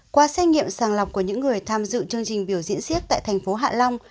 qua xét nghiệm sàng lọc của những người tham dự chương trình biểu diễn siếc tại thành phố hạ long